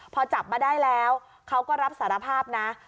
พอจับมาได้แล้วเขาก็รับสารภาพนะ